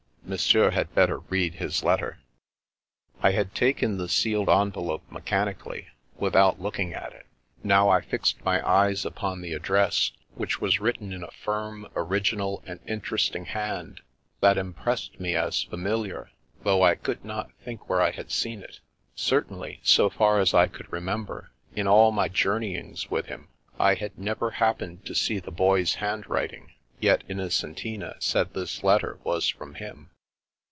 Monsieur had better read his letter." I had taken the sealed envelope mechanically, without looking at it. Now I fixed my eyes upon IS The Vanishing of the Prince 313 the address, which was written in a firm, original, and interesting hand, that impressed me as familiar, though I could not think where I had seen it. Cer tainly, so far as I could remember, in all my jour neyings with him I had never happened to see the Boy's handwriting. Yet Innocentina said this let ter was from him.